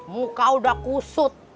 muka udah kusut